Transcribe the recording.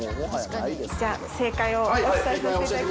じゃあ正解をお伝えさせていただきます。